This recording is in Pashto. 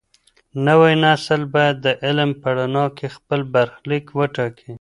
نوی نسل بايد د علم په رڼا کي خپل برخليک وټاکي.